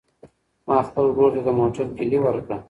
ما خپل ورور ته د موټر کیلي ورکړه.